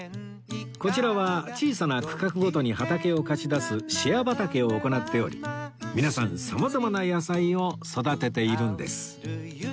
こちらは小さな区画ごとに畑を貸し出すシェア畑を行っており皆さん様々な野菜を育てているんです